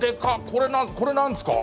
これこれ何ですか？